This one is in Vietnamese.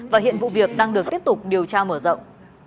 và hiện vụ việc đang được tiếp tục điều tra mở rộng